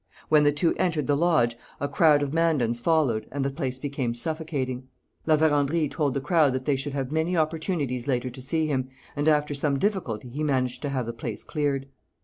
When the two entered the lodge a crowd of Mandans followed and the place became suffocating. La Vérendrye told the crowd that they should have many opportunities later to see him, and after some difficulty he managed to have the place cleared.